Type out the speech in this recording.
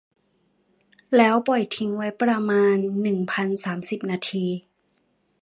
แล้วปล่อยทิ้งไว้ประมาณ หนึ่งพันสามสิบ นาที